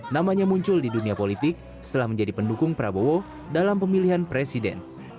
namanya muncul di dunia politik setelah menjadi pendukung prabowo dalam pemilihan presiden